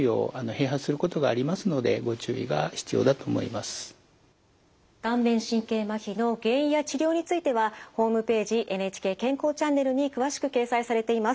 またあの顔面神経まひの原因や治療についてはホームページ「ＮＨＫ健康チャンネル」に詳しく掲載されています。